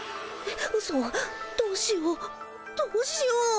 えっうそどうしようどうしよう。